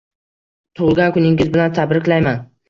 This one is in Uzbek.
Tug'ilgan kuningiz bilan tabriklayman!